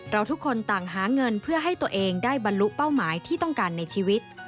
ทุกคนต่างหาเงินเพื่อให้ตัวเองได้บรรลุเป้าหมายที่ต้องการในชีวิต